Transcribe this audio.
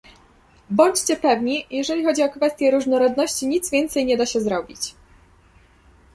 bądźcie pewni, jeżeli chodzi o kwestię różnorodności, nic więcej nie da się zrobić!